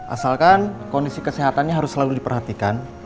asalkan kondisi kesehatannya harus selalu diperhatikan